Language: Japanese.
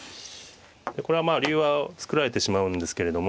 これは竜は作られてしまうんですけれども。